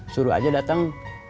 suruh aja dateng